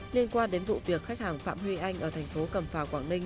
liên quan đến vụ việc khách hàng phạm huy anh ở thành phố cầm phà quảng ninh